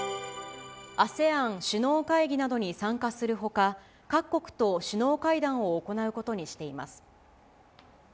ＡＳＥＡＮ首脳会議などに参加するほか、各国と首脳会談を行うことにしています。